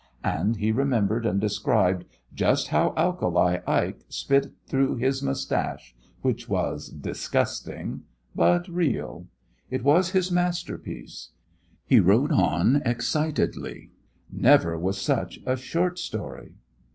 And he remembered and described just how Alkali Ike spit through his mustache which was disgusting, but real. It was his masterpiece. He wrote on excitedly. Never was such a short story!